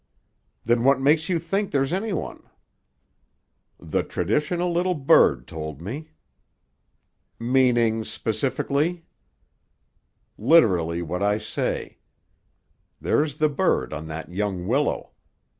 "Then what makes you think there's any one?" "The traditional little bird told me." "Meaning, specifically?" "Literally what I say. There's the bird on that young willow.